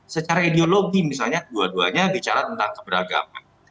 secara ideologi misalnya dua duanya bicara tentang keberagaman